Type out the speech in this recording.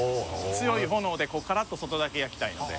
強い炎でカラッと外だけ焼きたいので。